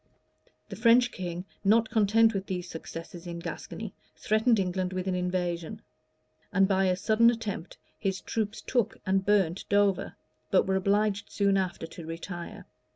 The French king, not content with these successes in Gascony, threatened England with an invasion; and, by a sudden attempt, his troops took and burnt Dover,[] but were obliged soon after to retire.